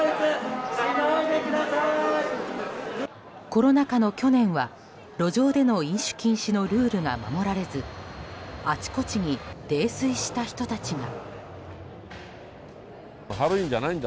コロナ禍の去年は、路上での飲酒禁止のルールが守られずあちこちに泥酔した人たちが。